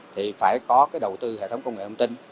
thì phải có cái đầu tư hệ thống công nghệ thông tin